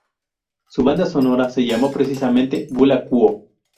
Su banda sonora se llamó precisamente "Bula Quo!